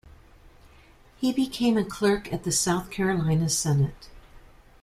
He became a clerk at the South Carolina Senate.